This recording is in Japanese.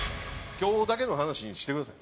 今日だけの話にしてください。